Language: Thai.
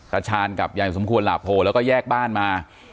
ชาญกับยายสมควรหลาโพแล้วก็แยกบ้านมา